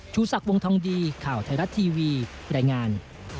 ชูศักดิ์วงทองดีข่าวไทยรัฐทีวีรายงาน